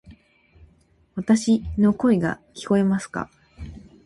わたし（の声）が聞こえますか？